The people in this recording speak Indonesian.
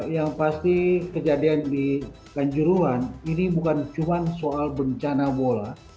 yang pasti kejadian di kanjuruan ini bukan cuma soal bencana bola